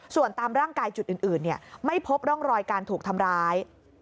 ส่วนตามร่างกายจุดอื่นไม่พบร่องรอยการถูกทำร้าย